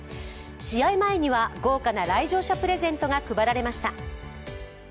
試合前には豪華な来場者プレゼントが配られました。